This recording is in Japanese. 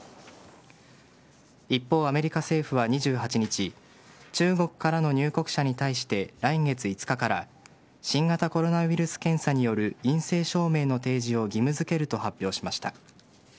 一方、アメリカ政府は２８日中国からの入国者に対して来月５日から新型コロナウイルス検査による陰性証明の提示を義務付けると発表しました。